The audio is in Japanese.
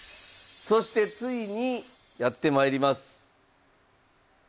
そしてついにやってまいります。